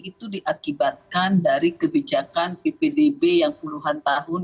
itu diakibatkan dari kebijakan ppdb yang puluhan tahun